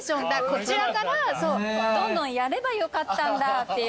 こちらからどんどんやればよかったんだっていう。